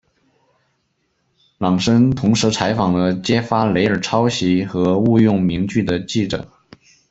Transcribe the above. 朗森同时采访了揭发雷尔抄袭和误用名句的记者。